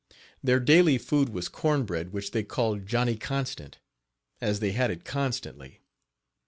Their daily food was corn bread, which they called "Johnny Constant," as they had it constantly.